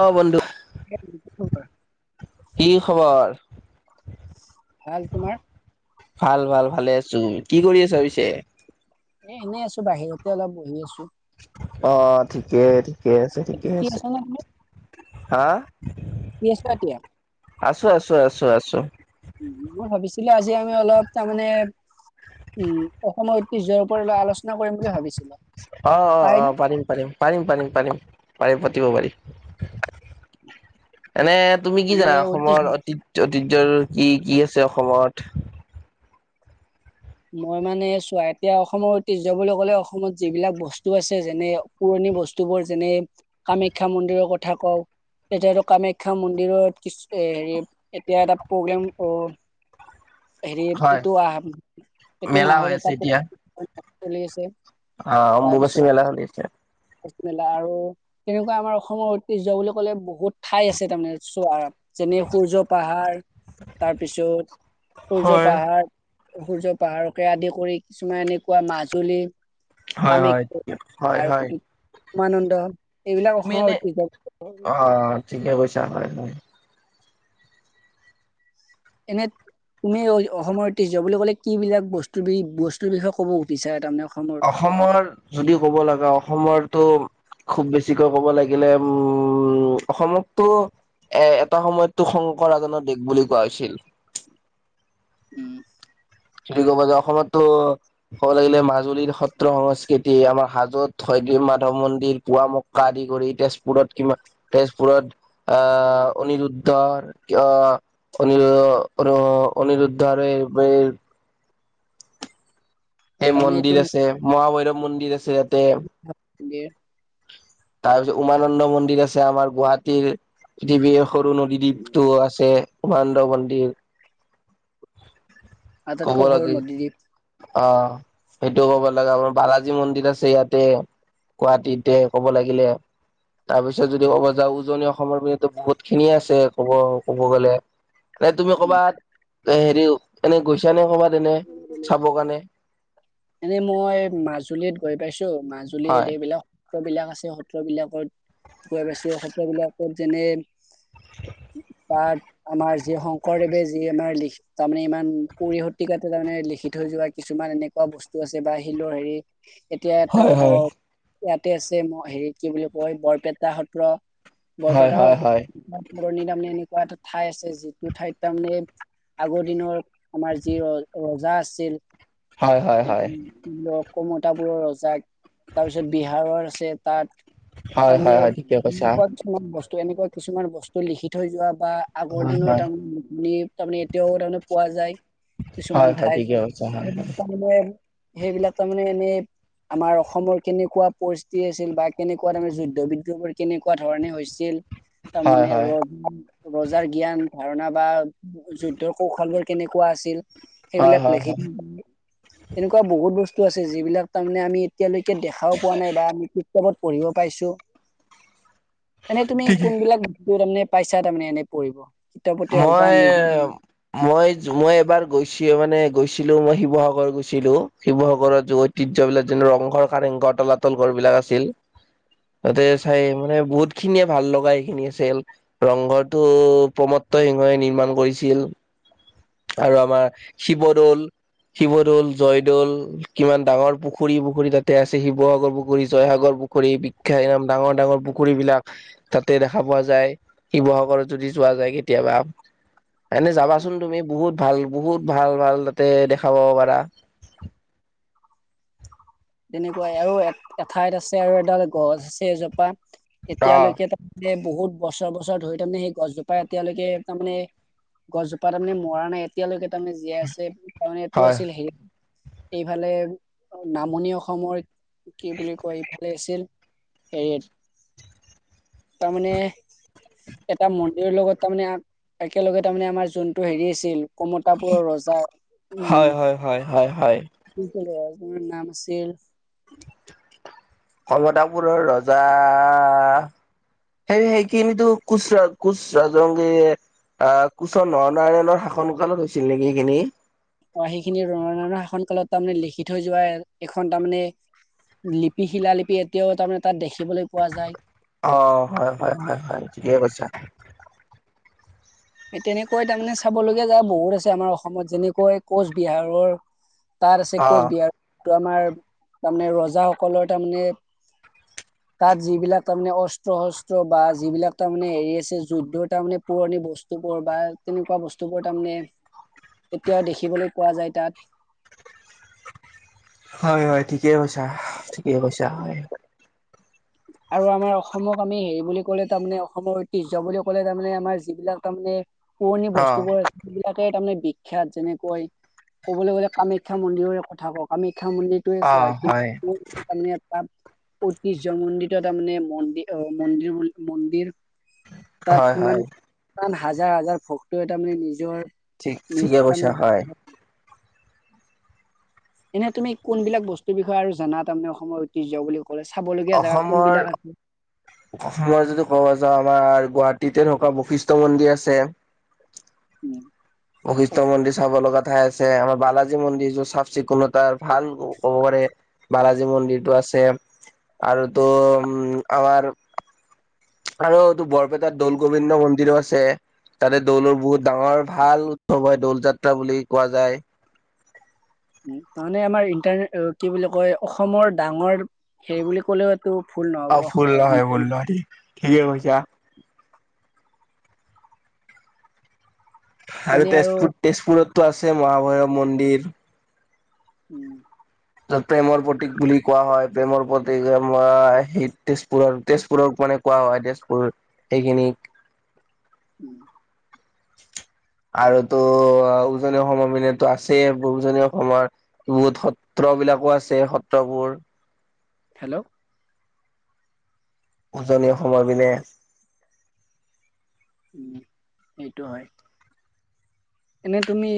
অ' বন্ধু, খবৰ কি খবৰ? ভাল তোমাৰ। ভাল-ভাল, ভালে আছো, কি কৰি আছা পিছে? এ এনেই আছো। বাহিৰতে অলপ বহি আছো। অ ঠিকেই ঠিকে আছে ঠিকেই ফ্ৰী আছে আছা নে তুমি হা [unintelligible] আছোঁ আছো। উম মই ভাবিছিলো আজি আমি অলপ তাৰমানে, উম অসমৈত নিজৰ ওপৰলৈ আলোচনা কৰিম বুলি ভাবিছো। অ'-অ'-অ', পাৰিম-পাৰিম, পাৰিম-পাৰিম-পাৰিম, পাৰিম পাতিব পাৰি। এনে তুমি কি মানে জানা অসমৰ ঐতিহ্য অতিজত। [unintelligible] কি কি আছে অসমত মই মানে চোৱা, এতিয়া অসমৰ ঐতিহ্য বুলি ক'লে অসমত যিবিলাক বস্তু আছে যেনে পুৰণি সেই বস্তুবোৰ যেনে কামাখ্যা মন্দিৰৰ কথা কওঁ এতিয়াটো কামাখ্যা মন্দিৰত কিছ এই হেৰি এতিয়া এটা প্ৰগ্ৰেম অ হেৰি হয় এইটো আহ এইটো মেলা হৈ মাহৰ আছে এটা এতিয়া [unintelligible] চলি আছে। অ তাৰপিছত অম্বুবাচী মেলা চলি আছে। মেলা আৰু তেনেকুৱা আমাৰ অসমৰ ঐতিয্য বুলি ক'লে বহুত ঠাই আছে। তাৰমানে চোৱাৰ যেনে সূৰ্য পাহাৰ, তাৰপিছত সূৰ্য হয় পাহাৰ সূৰ্য পাহাৰকে আদি কৰি, কিছুমান এনেকুৱা মাজুলী হয় হয় কামখ্য হয় হয় আৰু উমানন্দ এইবিলাক তুমি অসমৰ এনে ঐতিহ্য অ ঠিকে কৈছা [unintelligible] হয় হয় এনে তুমি ঐ অসমৰ ঐতিহ্য বুলি ক'লে, কি বিলাক বস্তু বি বস্তুৰ বিষয়ে ক'ব সুধিছা তাৰমানে অসমৰ যদি ক'ব লগা অসমৰতটো খুব বেছিকৈ ক'ব লাগে গেলে উম অসমততো। এ' এটা সময়তো শংকৰ আজানৰ দেশ বুলি কোৱা হৈছিল। উম। যদি ক'ব যে অসমতো ক'ব লাগিলে মাজুলীৰ সত্ৰ সংস্কৃতি, আমাৰ হাজত হয়গ্ৰী মাধৱ মন্দিৰ, পুৱামক্কা আদি কৰি, তেজপুৰত কিমা, তেজপুৰত আহ অনিৰুদ্ধৰ কি অ অনিৰ ৰ অনিৰুদ্ধ আৰু [unintelligible] এই তাৰমানে মন্দিৰ আছে, মহাভৈৰৱ মন্দিৰ আছে ইয়াত। গে [unintelligible] তাৰ পিছত উমানন্দ মন্দিৰ আছে, আমাৰ গুৱাহাটীৰ পৃথিৱীৰ সৰু নদী দ্বীপটো আছে, উমানন্দ মন্দিৰ ক'ব আটাইতকৈ সৰু লাগে নদীদ্বীপ অ সেইটোও ক'ব লাগে। আমাৰ বালাজী মন্দিৰ আছে ইয়াতে। গুৱাহাটীতে ক'ব লাগিলে তাৰপিছত যদি ক'ব যাওঁ উজনি অসমৰ পিনেটো বহুত খিনিয়ে আছে, কব ক'ব গ'লে। নে তুমি উম কৰ'বাত এ, হেৰি এনে গৈছা নে কৰ'বাত এনে? চাব কাৰণে এনে মই মাজুলীত গৈ পাইছোঁ, মাজুলীত হয় এইবিলাক সত্ৰ বিলাক আছে সত্ৰ বিলাকত গৈ পাইছো সত্ৰ বিলাকত যেনে তাত আমাৰ যি শংকৰদেৱে যি আমাৰ [inaudible] তাৰমানে ইমান কুৰি শতিকাতে তাৰমানে লিখি থৈ যোৱা কিছুমান এনে খোৱা বস্তু আছে বা শিলৰ হেৰি এতিয়া এটা হয় কথা হয় কওওঁ ইয়াতে আছে ম হেৰিত কি বুলি কয়, বৰপেটা সত্ৰ, হয় বৰপেটা হয় সত হয় পুৰণি তাৰমানে এনেকুৱা এটা ঠাই আছে যিটো ঠাইত তাৰমানে, আগৰ দিনৰ আমাৰ যি ৰল ৰজা আছিল হয় হয় হয় [unintelligible] কমতাপুৰৰ ৰজাক, তাৰপিছত বিহাৰৰ আছে তাত হয় হয় তাৰমানে হয় ঠিকে কৈছা এনেকুৱা কিছুমান বস্তু, এনেকুৱা কিছুমান বস্তু লিখি থৈ যোৱা বা আগৰ হয় দিনৰ হয় তাৰ [inaudible] তাৰমানে এতিয়াও, তাৰমানে পোৱা যায়। কিছুমান হয় হয় ঠাইত ঠিকে কৈছা হয় হয় সেইবিলাক ত মানে সেইবিলাক তাৰমানে এনেই আমাৰ অসমৰ কেনেকুৱা পৰিস্থিতি আছিল বা কেনেকুৱা তে যুদ্ধ বিদ্ৰবোৰ কেনেকুৱা ধৰণে হৈছিল হয় তাৰমানে হয় ৰজ, ৰজাৰ জ্ঞান ধাৰণা বা যুদ্ধৰ কৌশলৰ কেনেকুৱা আছিল, হয় সেইবিলাক হয় লেখি হয় তেনেকুৱা বহুত বস্তু আছে, যিবিলাক তাৰমানে আমি এতিয়ালৈকে দেখাওঁ পোৱা নাই বা আমি [inaudible] এতিয়া মই পঢ়িব পাইছোঁ, এনেই তুমি কোনবিলাক তেওঁ তাৰমানে পাইছা, তাৰমানে এনে পৰিব। মইয়ে মই মই এবাৰ গৈছোঁ। মানে গৈছিলো মই শিৱসাগৰ গৈছিলো শিৱসাগৰৰত য ঐতিহ্য বিলাক যে ৰংঘৰ কাৰেংগ বা টলাটল ঘৰ বিলাক আছিল। তাতে চাই মানে বহুত খিনিয়ে ভাল লগা এইখিনি আছিল। ৰংঘৰটো প্ৰমোদ নৰসিংহই নিৰ্মাণ কৰিছিল আৰু আমাৰ শিৱদৌল শিৱদৌল, জয়দৌল কিমান ডাঙৰ পুখুৰী পুখুৰী তাতে আছে, শিৱসাগৰ পুখুৰী জয়সাগৰ পুখুৰী বিখ্যাত ডাঙৰ ডাঙৰ পুখুৰী বিলাক তাতে দেখা পোৱা যায়। শিৱসাগৰত যদি যোৱা যায় কেতিয়াবা এনে যাবাচোন তুমি বহুত ভাল বহুত ভাল ভাল তাতে দেখাব পাৰা [inaudible] তেনেকুৱাই আৰু এ এঠাইত আছে আৰু এডাল গছ আছে এজোপা অ', এতিয়ালৈকে তাত এ বহুত বছৰ বছৰ ধৰি তাৰমানে সেই গছজোপা এতিয়ালৈকে তাৰমানে গছজোপা তাৰমানে মৰা নাই এতিয়ালৈকে তাৰমানে জীয়াই আছে। কাৰণ এইটো হয়, আছিল সে এইফালে নামনি অসমৰ কি বুলি কয় ইফালে আছিল হেৰিয়ত তাৰমানমানে এটা মন্দিৰৰ লগত তাৰমানে একেলগে তাৰমানে আমাৰ যোনটো হেৰি আছিল। কমতাপুৰৰ ৰজা উম হয়, হয়, হয়, হয়। [unintelligible] আপাৰ নাম আছিল। কমতাপুৰৰ ৰজাৰ। সেৰি হেই কিন্তু কুচৰা কুচ ৰাজংগিয়ে আহ কুশৰ নৰনাৰায়ণৰ শাসনকালত হৈছিল নেকি সেইখিনি? অ' হেইখিনি নৰনাৰায়ণৰ শাসন কালত তাৰমানে লিখি থৈ যোৱা এখন তাৰমানে লিপি শিল লিপি এতিয়াও তাৰমানে তাত দেখিবলৈ পোৱা যায় অ' হয় হয় হয় হয় ঠিকে কৈছা। এই তেনেকৈ তাৰমানে চাবলগীয়া জেগা বহুত আছে, আমাৰ অসমত যেনেকৈ কোচবিহাৰৰ তাত আছে অ'। কোচবিহাৰটো আমাৰ তাৰমানে ৰজাসকলৰ তাৰমানে [inaudible] তাত যিবিলাক তাৰমানে অস্ত্ৰ শস্ত্ৰ বা যিবিলাক তাৰমানে হেৰি আছে যুদ্ধ তাৰ মানে পুৰণি বস্ ওপৰৰ বা তেনেকুৱা বস্তুবোৰ তাৰমানে এতিয়াও দেখিবলৈ পোৱা যায় তাত হয় হয় ঠিকে কৈছা ঠিকেই কৈছা হয় আৰু আমাৰ অসমক আমি হেৰি বুলি কলে তাৰমানে অসমৰ ঐতিহ্য বুলি কলে তাৰমানে আমাৰ যিবিলাক তাৰমানে পুৰণি অ', বস্তুবোৰ [unintelligible] তেকে তাৰ মানে বিখ্যাত যেনেকৈ কবলৈ গলে কামাখ্যা মন্দিৰৰে কথা কওক আমি কামাখ্যা মন্দিৰোৱে চোৱা অ', হয়। [unintelligible] ঐতিহ্য মন্দিৰ তাৰ মানে মন্দিৰ অ মন্দিৰ বুলি মন্দিৰ হয়, তাত হয়, ইমান হাজাৰ হাজাৰ ভক্তৰে তাৰমানে নিজৰ ঠিক ঠিকে নিজে কৈছা হয়, [unintelligible] এনে তুমি কোনবিলাক বস্তুৰ বিষয়ে আৰু জানা তাৰমানে অসমৰ ঐতিহ্য বুলি ক'লে চাবলগীয়া জেগা অসমৰ কোনবিলাক আছে অসমৰ যদি ক'ব যাওঁ আমাৰ গুৱাহা টিতে থকা বৈশিষ্ট্য মন্দিৰ আছে উম, বৈশিষ্ট মন্দিৰ চাব লগা ঠাই আছে আমাৰ বালাজী মন্দিৰ য চাফ চিকুণত তাৰ ভাল ক'ব পাৰে বালাজ জী মন্দিৰটো আছে আৰু তোম আমাৰ আৰুটো বৰপেটাত দৌল গোবিন্দ মন্দিৰো আছে। তাতে দৌলৰ বহুত ডাঙৰ ভাল উৎসৱ হয় দৌল যাত্ৰা বুলি কোৱা যায় তাৰানে আমাৰ ইণ্টাৰ কি বুলি কয় অসমৰ ডাঙৰ হেৰি বুলি ক'লেও টো ভোল অ নহ'ব ভুল নহয় ভুল [unintelligible] নহয় ঠিকে কৈছা। আৰু তেজপুৰ তেজপুৰতো আছে মহাভৈৰৱ মন্দিৰ। উম। তাত প্ৰেমৰ প্ৰতীক বুলি কোৱা হয় প্ৰেমৰ প্ৰতীক আমাৰ সেই তেজপুৰৰ তেজপুৰৰ মানে কোৱা হয় তেছপুৰ সেইখিনিক উ। আৰুতো উজনি অসমৰ মানতো আছেই উজনি অসমৰ বহুত সত্ৰ ত্ৰবিলাকো আছে সত্ৰবোৰ। হেল্ল' উজনি সময় পিনে। উম সেইটো হয়। এনে তুমি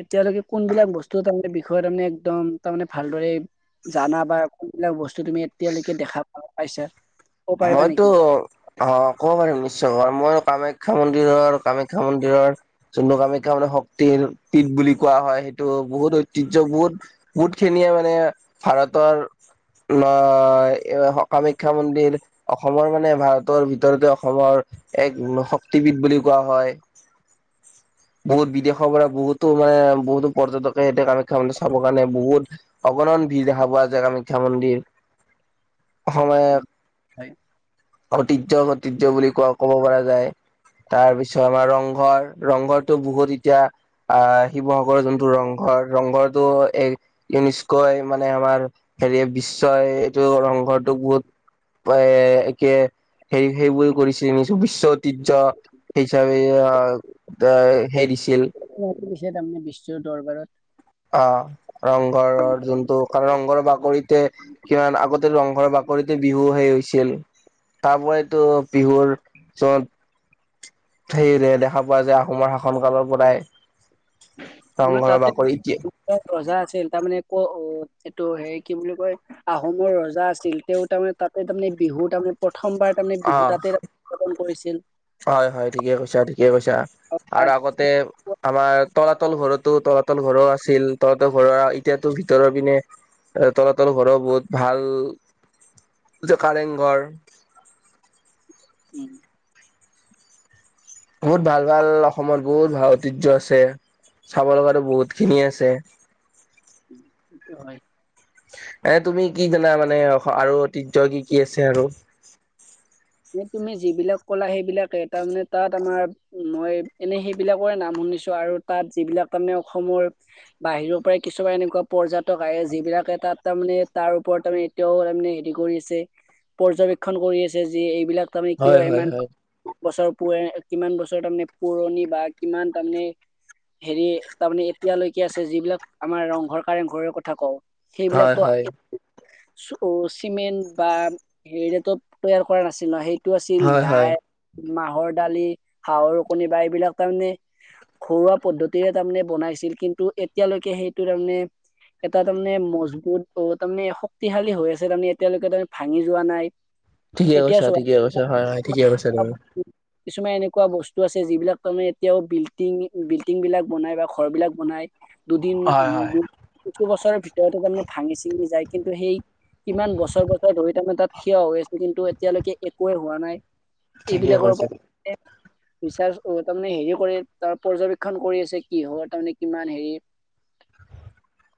এতিয়ালৈকে কোনবিলাক বস্তু তাৰমানে বিষ ষয় তাৰমানে একদম তাৰমানে ভালদৰে জানা বা কোনবিলাক বস্তু তুমি এতিয়ালৈকে দেখা পাইছা। ক'ব পাৰিবা মইতো নেকি অ ক'ব পাৰিম নিশ্চয় ময় মই কামে খ্যা মন্দিৰৰ কামাখ্যা মন্দিৰৰ যোনটো কামাখ্যা মান শক্তিৰ পীঠ বুলি কোৱা হয় সেইটো বহুত ঐতিহ্য বহুত বহুতখিনিয়ে মানে ভাৰতৰ ন এ কামাখ্যা মন্দিৰ অসমৰ মানে ভাৰতৰ ভিতৰতে অসমৰ এক শক্তিবিদ বুলি কোৱা হয়। [inaudible] বহুত বিদেশৰ পৰা বহুত টো মানে বহুতো পৰ্যটকে এটে কামাখ্যা মন্দিৰ চাবৰ কাৰণে বহুত অগণন ভিৰ দেখা পোৱা যায় কামাখ্যা মন্দিৰ [inaudible] সময়ৰ হয় ঐতিহয্য মতিয্য বুলি কোৱা ক'ব পৰা যায়। তাৰপিছত আমাৰ ৰংঘৰ ৰংঘৰটো বহুত এতিয়া আহ শিৱসাগৰৰ যোনটো ৰংঘৰ ৰংঘৰত টো এ ইউনিস্কই মানে আমাৰ হেৰি বিশ্বই এইটো ৰংঘৰটোক বহুত [inaudible] এ একে হেৰি সেইবোৰ কৰিছিল বিশ্বত ঐতিহয্য হিচাপে আহ এ হেৰি দিছিল। তেতিয়া, তাৰমানে বিশ্বৰ দৰবাৰত অ', ৰংঘৰৰ যোনটো কাৰংঘৰৰ বাকৰিতে কিমান আগতে ৰংঘৰৰ বা উপৰিতে বিহু সেই হৈছিল তাৰপৰাইতো বিহুৰ যত [unintelligible] দেখা পোৱা যায় আহোমৰ শাসন কালৰ পৰাই আমাৰ ৰংঘৰৰ তাতে বাকৰি এতিয়া ৰজা আছিল। তাৰ মমানে ক, অ, এইটো হে কি বুলি কয় আহোমৰ ৰজা আছিল তেওঁ তাৰমানে তাতে তাৰ মমানে বিহু [inaudible] বিহু তাৰমানে প্ৰথমবাৰ তাৰমানে অ বিহু তাতে পতন কৰিছিল। হয় হয় ঠিকে কৈছা ঠিকে কৈছা তাৰ আৰু আগতে পিছত আমাৰ তলাতল ঘৰতো তলাতল ঘৰো আছিল তলাতল ঘৰৰ এতিয়াতো ভিতৰৰ পিনে তলাতল ঘৰৰ বহুত ভাল যে কাৰেংঘৰ উম। বহুত ভাল ভাল অসমত বহুত ভাল ঐতিহ্য আছে। চাব লগাটো বহুত খিনি আছে। সেইটো হয়। এ, তুমি কি জানা মানে আৰু ঐতিহ্য কি কি আছে আৰু। তুমি যিবিলাক কলা সেইবিলাকে তাৰমানে তাত আমাৰ মই এনে সেইবিলাকৰে নাম শুনিছো আৰু তাত যিবিলাক তাৰমানে অসমৰ বাহিৰৰ পৰাই কিছুমান এনেকুৱা এনেকুৱা পৰ্যটক আহে যি বিলাকে তাত তাৰমানে তাৰ ওপৰত তাৰে এতিয়াও তাৰমানে হেৰি কৰিছে পৰ্যবেক্ষন কৰি আছে যি এইবিলাক তাৰমানে হয় কিয় হয় ইমান হয় বছৰ [unintelligible] কিমান বছৰ তাৰমানে পুৰণি বা কিমান তাৰমানে হেৰি তাৰমানে এতিয়ালৈকে আছে যিবিলাক আমাৰ ৰংঘৰ কাৰেং ঘৰৰ কথা কওঁ। হয় সেইবিলাকতো হয় [unintelligible] অ চিমেণ্ট বা হেৰি তৈয়াৰ কৰা নাছিল সেইটো আছিল হয় দাই হয় মাহৰ দালি হাঁহৰ কণী বা এইবিলাক তাৰমানে ঘৰুৱা পদ্ধতিৰে তাৰমানে বনাইছিল কিন্তু এতিয়ালৈকে সেইটো তাৰমানে এটা তাৰমানে মজবুত তাৰমানে শক্তিশালী হৈ আছে তাৰমানে এতিয়ালৈকে তাৰ ভাঙি যোৱা নাই। ঠিকে এতিয়া কৈছা চোৱা ঠিকে কৈছা হয় হয় ঠিকে কৈছা তুমি। কিছুমান এনেকুৱা বস্তু আছে যিবিলাক তাৰমানে এতিয়াও বিল্ডিং বিল্ডিং বিলাক বনাই বা ঘৰ বিলাক বনাই। দুদিন হয় হয় দুই বছৰৰ ভিতৰতে তাৰমানে ভাঙি চিঙি যায় কিন্তু সেই কিমান বছৰ বছৰ ধৰি তাৰমানে তাত থিয় হৈ আছ কিন্তু এতিয়ালৈকে একোৱে হোৱা নাই। ঠিকে এইবিলাকৰ কৈছে ওপৰত। ৰিচাৰ্জ তাৰমানে হেৰি কৰি তাৰ পৰ্যবেক্ষণ কৰি আছে কি হয় তাৰমানে কিমান হেৰি [inaudible]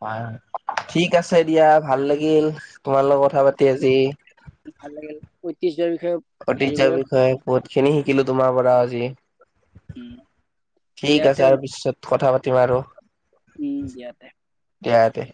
হয় ঠিক আছে দিয়া ভাল লাগিল। তোমাৰ লগত কথা পাতি আজি [unintelligible] হেৰি ঐতিহ্যৰ কৰে বিষয়ে বহুত খিনি শিকিলো তোমাৰ পৰা আজি। উম ঠিক দিয়াতে আছে আৰু পিছত কথা পাতিম আৰু। উম দিয়াতে। দিয়াকে